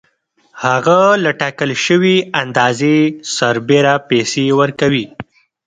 هغه له ټاکل شوې اندازې سربېره پیسې ورکوي